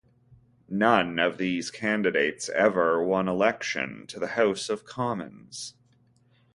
None of these candidates ever won election to the House of Commons.